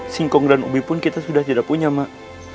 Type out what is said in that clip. singkong dan ubi pun kita sudah tidak punya mak